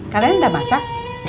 kalian udah masak